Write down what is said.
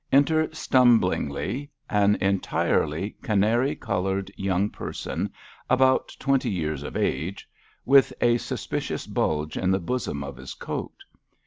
Enter stumblingly an entirely canary coloured young person about twenty years of age, with a suspicious bulge in the bosom of his coat.